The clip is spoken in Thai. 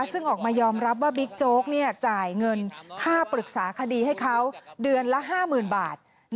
ซึ่งออกมายอมรับว่าบิ๊กโจ๊กจ่ายเงินค่าปรึกษาคดีให้เขาเดือนละ๕๐๐๐บาท